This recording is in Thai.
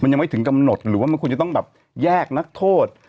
ยังไม่ถึงกำหนดหรือว่ามันควรจะต้องแบบแยกนักโทษ